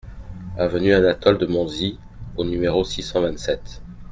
Avenue Anatole de Monzie au numéro six cent vingt-sept